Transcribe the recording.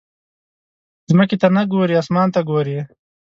ځمکې ته نه ګورې، اسمان ته ګورې.